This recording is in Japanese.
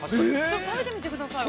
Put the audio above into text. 食べてみてください。